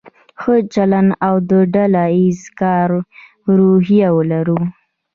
ښه چلند او د ډله ایز کار روحیه ولرو.